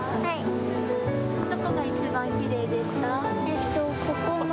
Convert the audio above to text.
どこがいちばんきれいでした？